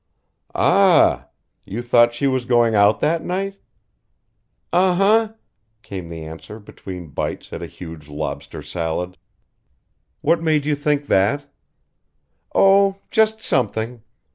"Aa a h! You thought she was going out that night?" "Uh huh," came the answer between bites at a huge lobster salad. "What made you think that?" "Oh! just something.